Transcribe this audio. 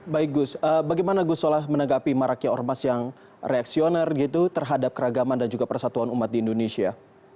baik gus bagaimana gus solah menanggapi maraknya ormas yang reaksioner gitu terhadap keragaman dan juga persatuan umat di indonesia